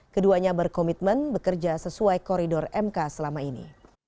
keduanya berkomitmen bekerja sesuai koridor mk selama ini